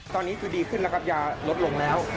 ตอนนี้คือดีขึ้นแล้วครับยาลดลงแล้ว